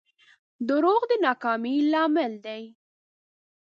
دروغ د ناکامۍ لامل دي.